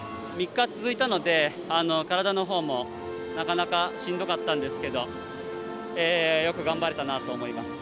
３日続いたので体のほうもなかなかしんどかったんですけどよく頑張れたなと思います。